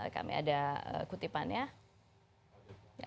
kami ada kutipannya